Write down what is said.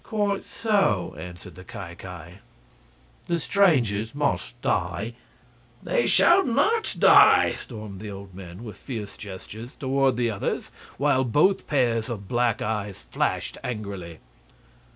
"Quite so," answered the Ki Ki. "The strangers shall die." "They shall not die!" stormed the old men, with fierce gestures toward the others, while both pairs of black eyes flashed angrily.